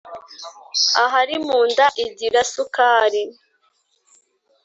Ahari mu nda igira sukari!